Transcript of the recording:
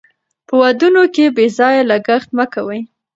په ودونو کې بې ځایه لګښت مه کوئ.